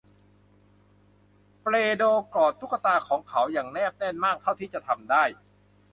เปโดรกอดตุ๊กตาของเขาอย่างแนบแน่นมากเท่าที่จะทำได้